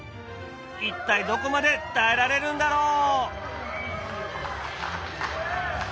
一体どこまで耐えられるんだろう？